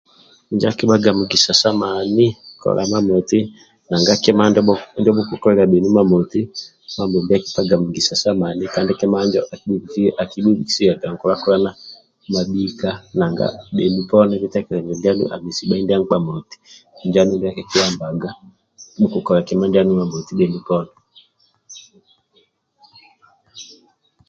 Injo akibhaga mugisa sa mani kola imamoti nanga kima ndio bhukukolilia imamoti Mambombi akipaga mugisa sa mani kandi injo akibhubikisilia nkulakulana mabhika nanga bhenu poni bitekelezo ndianu amesi bhai ndia nkpa moti injo andulu ndia akikiyambaga bhukukola kima ndianu imamoti